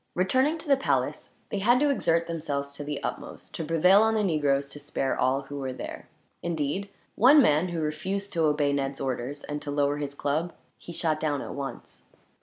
Returning to the palace, they had to exert themselves to the utmost to prevail on the negroes to spare all who were there. Indeed, one man, who refused to obey Ned's orders and to lower his club, he shot down at once.